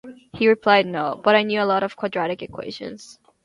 He replied no, but I knew a lot of quadratic equations!